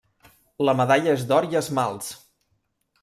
La medalla és d'or i esmalts.